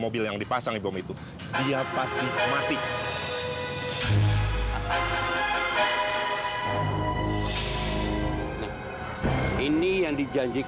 mobil yang ditumpangi pak iksan meledak